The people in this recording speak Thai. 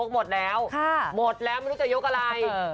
หมดแล้วมันรู้จะยกอะไร